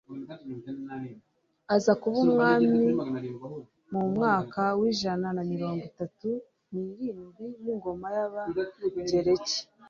aza kuba umwami mu mwaka w'ijana na mirongo itatu n'irindwi w'ingoma y'abagereki